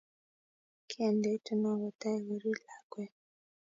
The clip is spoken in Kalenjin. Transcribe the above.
Kie ndetuno kotai korir lakwet